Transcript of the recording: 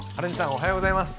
おはようございます。